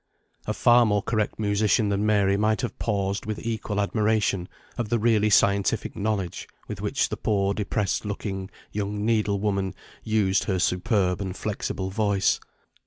A far more correct musician than Mary might have paused with equal admiration of the really scientific knowledge, with which the poor depressed looking young needle woman used her superb and flexile voice.